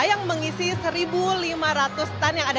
yang mengisi satu lima ratus stand